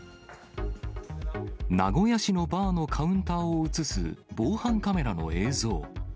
名古屋市のバーのカウンターを写す防犯カメラの映像。